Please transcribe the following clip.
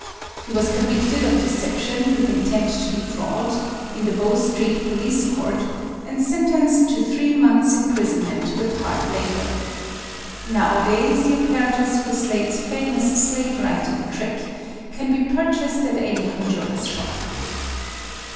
He was convicted of deception with intent to defraud in the Bow Street Police Court and sentenced to three months' imprisonment with hard labor. Nowadays the apparatus for Slade's famous slate writing trick can be purchased at any conjurer's shop.